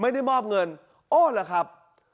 ไม่ได้มอบเงินโอ้ล่ะครับ